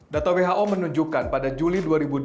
data who menunjukkan pada juli dua ribu dua puluh